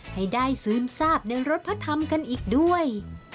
ให้ได้ซึมทราบในรถพระธรรมกันอีกด้วย